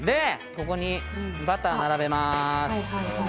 ここにバター並べます